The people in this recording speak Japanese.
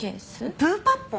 プーパッポン。